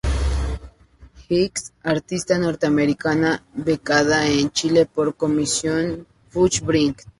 Hicks, artista norteamericana becada en Chile por la Comisión Fullbright.